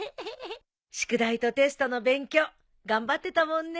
宿題とテストの勉強頑張ってたもんね。